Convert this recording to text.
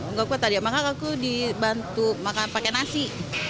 enggak kuat tadi maka aku dibantu makan pakai nasi